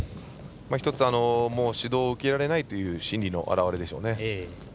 １つ、指導を受けられないという心理の表れでしょうね。